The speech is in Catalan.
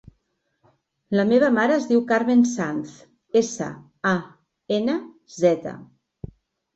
La meva mare es diu Carmen Sanz: essa, a, ena, zeta.